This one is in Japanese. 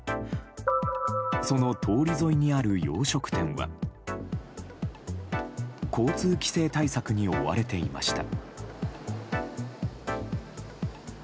その通り沿いにある洋食店は交通規制対策に追われていました。